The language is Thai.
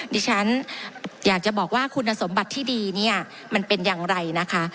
ดิฉันอยากจะบอกว่าคุณสมบัติที่ดีเนี่ยมันเป็นอย่างไรนะคะ